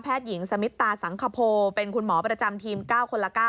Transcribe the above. หญิงสมิตาสังคโพเป็นคุณหมอประจำทีม๙คนละ๙